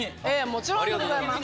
もちろんでございます。